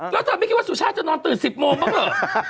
แล้วแบบเนี่ยสุชาติจะนอนตื่น๑๐โมงเป็นไง